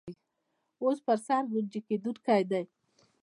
اوس پر سر ګنجۍ کېدونکی دی.